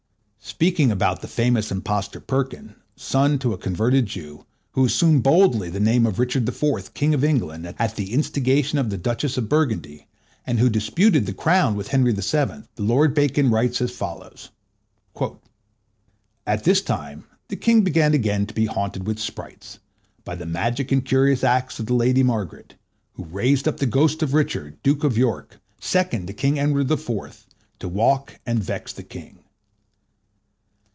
Speaking about the famous impostor Perkin, son to a converted Jew, who assumed boldly the name and title of Richard IV., King of England, at the instigation of the Duchess of Burgundy, and who disputed the crown with Henry VII., the Lord Bacon writes as follows:—"At this time the King began again to be haunted with sprites, by the magic and curious arts of the Lady Margaret, who raised up the ghost of Richard, Duke of York, second to King Edward IV., to walk and vex the King.